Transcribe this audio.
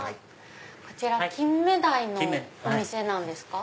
こちらキンメダイのお店なんですか？